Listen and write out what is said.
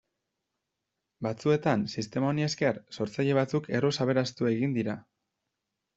Batzuetan, sistema honi esker, sortzaile batzuk erruz aberastu egin dira.